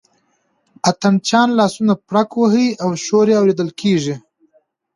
اتڼ چیان لاسونه پړک وهي او شور یې اورېدل کېږي.